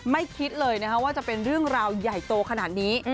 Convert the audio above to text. คิดเลยนะคะว่าจะเป็นเรื่องราวใหญ่โตขนาดนี้